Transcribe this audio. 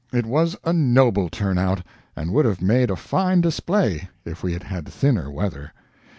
It was a noble turnout, and would have made a fine display if we had had thinner weather.